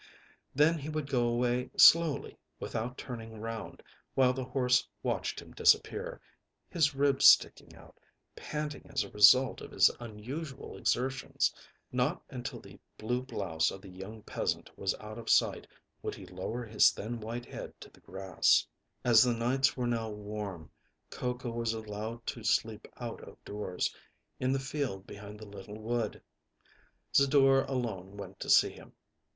Then he would go away slowly, without turning round, while the horse watched him disappear, his ribs sticking out, panting as a result of his unusual exertions. Not until the blue blouse of the young peasant was out of sight would he lower his thin white head to the grass. As the nights were now warm, Coco was allowed to sleep out of doors, in the field behind the little wood. Zidore alone went to see him.